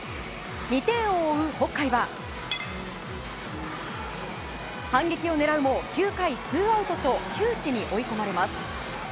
２点を追う北海は、反撃を狙うも９回ツーアウトと窮地に追い込まれます。